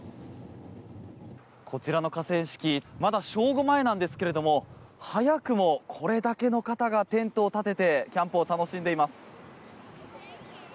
こちらの河川敷まだ正午前なんですけど早くもこれだけの方がテントを立ててキャンプを楽しんでいます。